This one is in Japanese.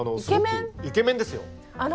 イケメンですよ。